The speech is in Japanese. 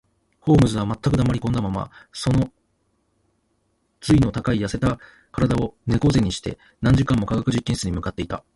ホームズは全く黙りこんだまま、その脊の高い痩せた身体を猫脊にして、何時間も化学実験室に向っていた